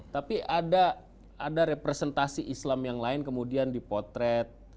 tapi ada representasi islam yang lain kemudian dipotret